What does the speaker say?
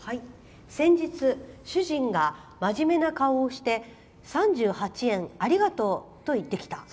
「先日、主人がまじめな顔をして３８円ありがとう、と言ってきた。